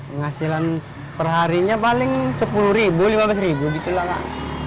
penghasilan perharinya paling sepuluh lima belas ribu gitu lah kak